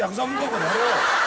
この野郎！